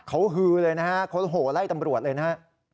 เขาฮือเลยนะฮะเขาโหไล่ตำรวจเลยนะฮะ